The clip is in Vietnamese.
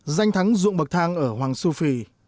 danh thắng dụng bậc thang ở hoàng su phi